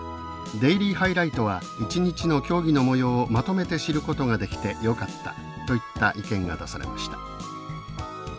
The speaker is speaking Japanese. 「デイリーハイライトは一日の競技の模様をまとめて知ることができてよかった」といった意見が出されました。